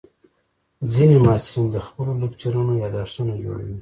ځینې محصلین د خپلو لیکچرونو یادښتونه جوړوي.